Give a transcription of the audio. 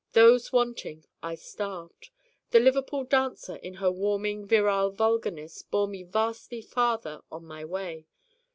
Those wanting I starved. The Liverpool dancer in her warming virile vulgarness bore me vastly farther on my way.